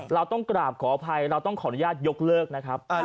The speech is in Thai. เราต้องกราบขออภัยเราต้องขออนุญาตยกเลิกนะครับ